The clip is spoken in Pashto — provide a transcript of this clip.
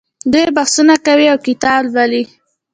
دوی بحثونه کوي او کتاب لوالي.